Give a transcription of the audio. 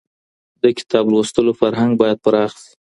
د کتاب لوستلو فرهنګ بايد پراخ شي.